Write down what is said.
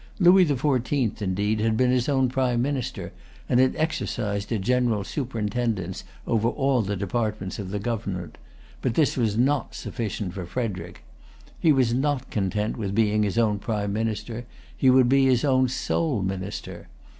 Louis the Fourteenth, indeed, had been his own prime minister, and had exercised a general superintendence over all the departments of the government; but this was not sufficient for Frederic. He was not content with being his own prime minister: he would be his own sole minister.